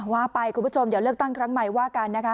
ว่าไปคุณผู้ชมเดี๋ยวเลือกตั้งครั้งใหม่ว่ากันนะคะ